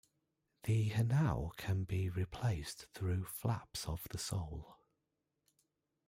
The hanao can be replaced through flaps of the sole.